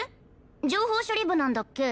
情報処理部なんだっけ？